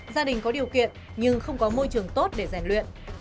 gia đình có điều kiện nhưng không có môi trường tốt để giàn luyện